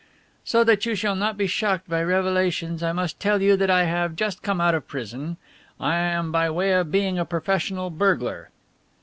"So that you shall not be shocked by revelations I must tell you that I have just come out of prison. I am by way of being a professional burglar."